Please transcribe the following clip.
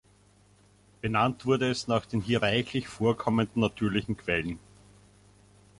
Benannt wurde es nach den hier reichlich vorkommenden natürlichen Quellen.